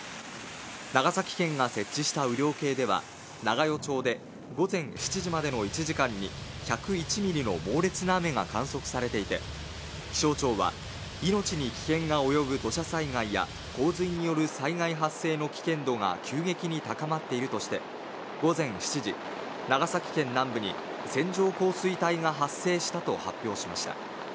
長崎県が設置した雨量計では長与町で午前７時までの１時間に、１０１ミリの猛烈な雨が観測されていて気象庁は、命に危険が及ぶ土砂災害や洪水による災害発生の危険度が急激に高まっているとして、午前７時長崎県南部に線状降水帯が発生したと発表しました。